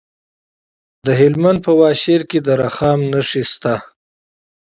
د هلمند په واشیر کې د رخام نښې شته.